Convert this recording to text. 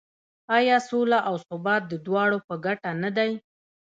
آیا سوله او ثبات د دواړو په ګټه نه دی؟